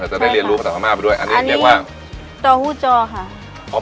จะได้เรียนรู้ภาษาพม่าไปด้วยอันนี้เรียกว่าจอฮู้จอค่ะ